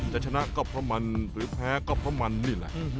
จะชนะก็เพราะมันหรือแพ้ก็เพราะมันนี่แหละ